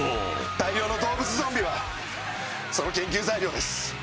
大量の動物ゾンビはその研究材料です。